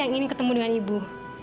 yang ingin ketemu dengan ibu